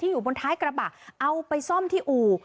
อยู่บนท้ายกระบะเอาไปซ่อมที่อู่